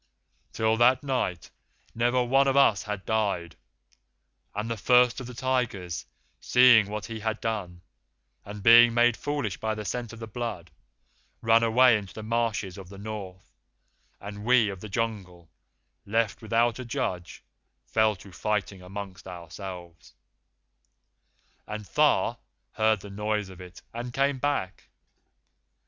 "Till that night never one of us had died, and the First of the Tigers, seeing what he had done, and being made foolish by the scent of the blood, ran away into the marshes of the North, and we of the Jungle, left without a judge, fell to fighting among ourselves; and Tha heard the noise of it and came back.